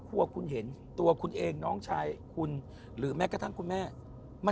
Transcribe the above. คมคมคมคมคม